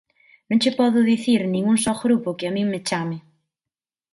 Non che podo dicir nin un só grupo que a min me chame.